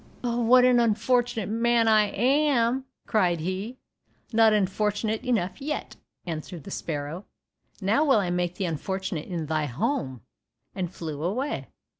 "Oh, what an unfortunate man I am," cried he. "Not unfortunate enough yet," answered the sparrow. "Now will I make thee unfortunate in thy home," and flew away.